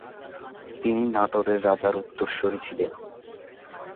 তিনি নাটোরের রাজার উত্তরসূরি ছিলেন।